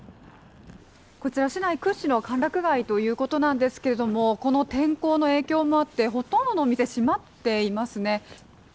こちら市内屈指の歓楽街ということなんですけれども、この天候の影響もあってほとんどのお店、閉まっていますね。